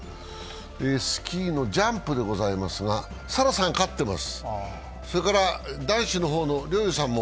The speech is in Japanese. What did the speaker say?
スキーのジャンプでございますが、沙羅さんが勝ってます。